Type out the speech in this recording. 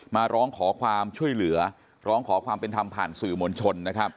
มาร้องขอความช่วยเหลือร้องขอความเป็นธรรมผ่านสื่อมวลชนนะครับ